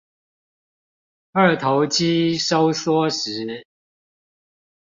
二頭肌收縮時